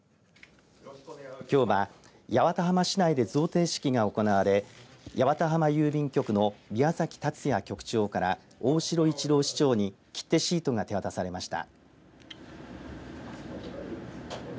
きょうは、八幡浜市内で贈呈式が行われ八幡浜郵便局の宮崎辰哉局長から大城一郎市長に切手シートが手渡されました。